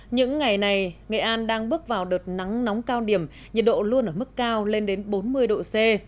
những ngày này nghệ an đang bước vào đợt nắng nóng cao điểm nhiệt độ luôn ở mức cao lên đến bốn mươi độ c